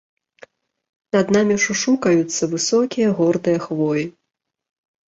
Над намі шушукаюцца высокія гордыя хвоі.